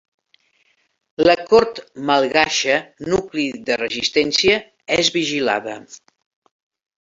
La cort malgaixa, nucli de resistència, és vigilada.